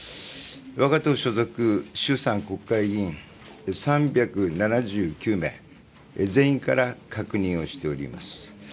我が党所属衆参国会議員３７９名全員から確認をしております。